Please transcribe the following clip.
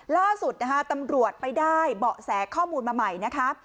ล่าสุดนะคะตำรวจไปได้เบาะแสข้อมูลมาใหม่นะคะ